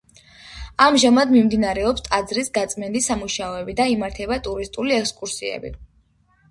ამჟამად მიმდინარეობს ტაძრის გაწმენდის სამუშაოები და იმართება ტურისტული ექსკურსიები.